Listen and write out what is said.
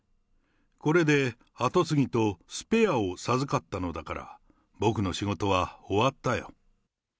これで跡継ぎとスペアを授かったのだから、僕の仕事は終わったよ。